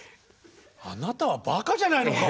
あなたはバカじゃないのか。